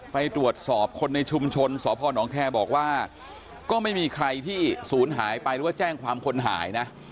ไปตรวจสอบคนในชุมชนสพนแคร์บอกว่าก็ไม่มีใครที่ศูนย์หายไปหรือว่าแจ้งความคนหายนะ